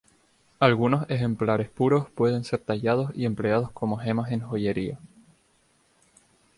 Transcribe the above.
Algunos ejemplares puros pueden ser tallados y empleados como gemas en joyería.